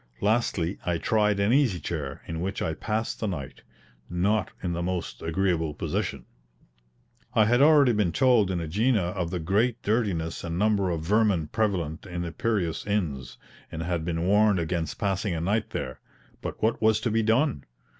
Lastly, I tried an easy chair, in which I passed the night, not in the most agreeable position. I had already been told in AEgina of the great dirtiness and number of vermin prevalent in the Piraean inns, and had been warned against passing a night there; but what was to be done?